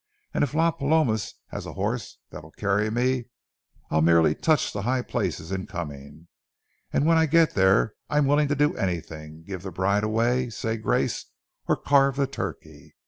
And if Las Palomas has a horse that'll carry me, I'll merely touch the high places in coming. And when I get there I'm willing to do anything,—give the bride away, say grace, or carve the turkey.